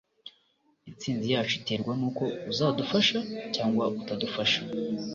Intsinzi yacu iterwa nuko uzadufasha cyangwa utadufasha.